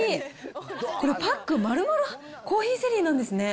これ、パック丸々コーヒーゼリーなんですね。